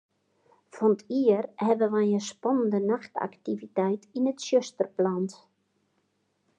Fan 't jier hawwe wy in spannende nachtaktiviteit yn it tsjuster pland.